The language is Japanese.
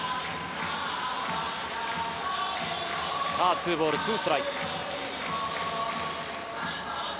２ボール２ストライク。